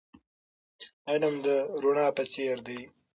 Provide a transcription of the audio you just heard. علم د رڼا په څېر دی.